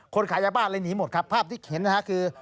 คนขายยาบ้านเลยหนีหมดครับภาพที่เห็นนะฮะคือ